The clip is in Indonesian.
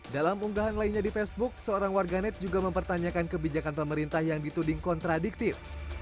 dalam unggahan lainnya di facebook seorang warganet juga mempertanyakan kebijakan pemerintah yang dituding kontradiktif